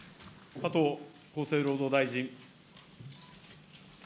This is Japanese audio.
加藤厚生労働大臣。